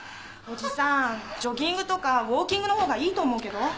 叔父さんジョギングとかウォーキングのほうがいいと思うけど。